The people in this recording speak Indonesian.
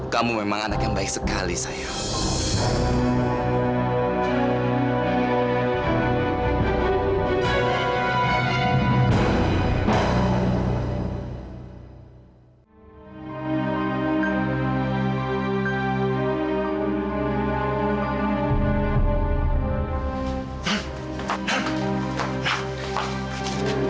kamu memang anak yang baik sekali sayang